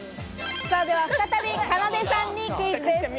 再び、かなでさんにクイズです。